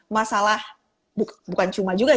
masalah bukan cuma juga